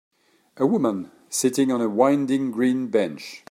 A woman sitting on a winding green bench.